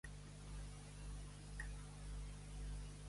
Quan creu que haurien de fer-ho, Vilalta?